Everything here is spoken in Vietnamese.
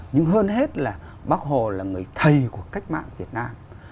nhưng hơn hết là bác hồ là người thầy của cách mạng việt nam